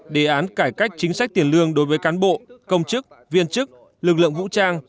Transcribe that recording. đề án cải cách chính sách tiền lương đối với cán bộ công chức viên chức lực lượng vũ trang